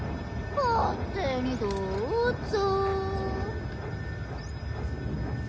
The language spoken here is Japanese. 勝手にどうぞ。